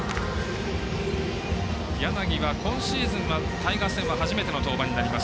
柳は今シーズンはタイガース戦は初めての登板になります。